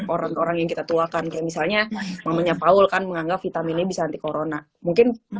orang orang yang kita tuakan kayak misalnya mamanya paul kan menganggap vitaminnya bisa anti corona mungkin